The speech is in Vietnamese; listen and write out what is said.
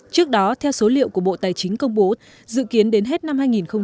trước đó theo số liệu của bộ tài chính công bố dự kiến đến hết năm hai nghìn hai mươi